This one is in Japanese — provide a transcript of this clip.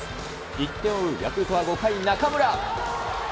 １点を追うヤクルトは５回、中村。